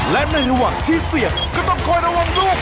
และในระหว่างที่เสียบก็ต้องคอยระวังลูก